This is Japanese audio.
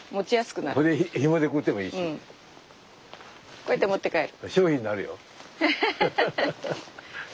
こうやって持って帰る。